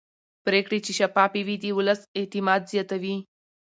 پرېکړې چې شفافې وي د ولس اعتماد زیاتوي